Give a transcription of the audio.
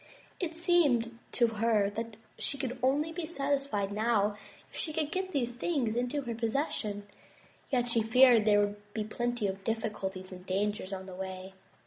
It seemed to her that she could only be satisfied now if she could get these things into her possession, yet she feared there would be plenty of difficulties and dangers on the way.